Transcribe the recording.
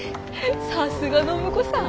さすが暢子さん。